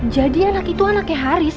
jadi anak itu anaknya haris